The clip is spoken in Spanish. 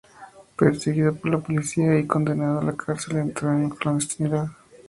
Perseguido por la policía y condenado a la cárcel, entró en la clandestinidad.